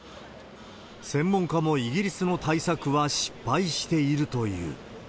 専門家もイギリスの対策は失敗しているという。